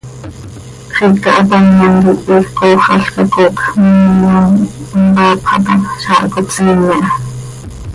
Xiica hapamyam quih iij cooxalca coocj miimyam impaapxa ta, zaah cop siime aha.